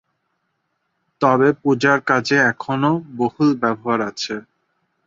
তবে পূজার কাজে এখনও বহুল ব্যবহার আছে।